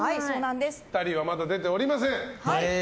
ピッタリはまだ出ておりません。